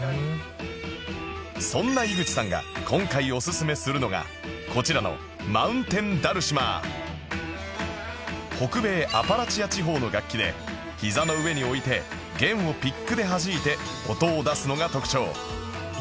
そんな井口さんが今回おすすめするのがこちらの北米アパラチア地方の楽器でひざの上に置いて弦をピックではじいて音を出すのが特徴